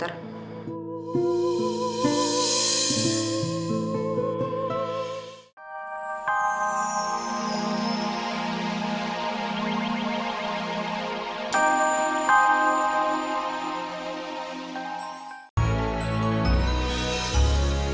sari kata dari sdi media